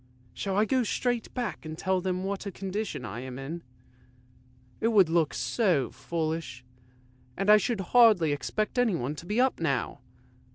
Shall I go straight back and tell them what a condition I am in? It would look so foolish, and I should hardly expect anyone to be up now!